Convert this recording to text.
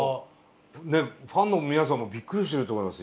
ねファンの皆さんもびっくりしてると思います